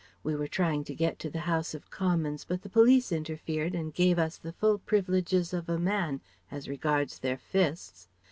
We were trying to get to the House of Commons, but the police interfered and gave us the full privileges of a man as regards their fists.